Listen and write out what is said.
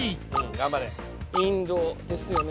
頑張れインドですよね